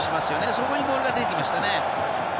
そこにボールが出てきましたね。